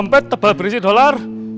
dompet tebal berisi dolar